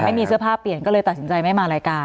ไม่มีเสื้อผ้าเปลี่ยนก็เลยตัดสินใจไม่มารายการ